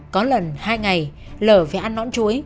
có lần hai ngày lở phải ăn nõn chuối